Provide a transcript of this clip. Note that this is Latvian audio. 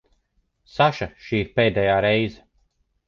Saša, šī ir pēdējā reize.